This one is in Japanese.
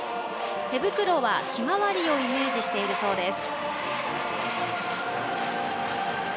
手袋は、ヒマワリをイメージしているそうです。